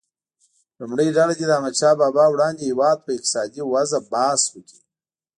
لومړۍ ډله دې د احمدشاه بابا وړاندې هیواد په اقتصادي وضعه بحث وکړي.